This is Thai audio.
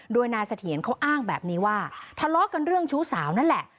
โดยนายเสถียรเขาอ้างแบบนี้ว่าทะเลาะกันเรื่องชู้สาวนั่นแหละ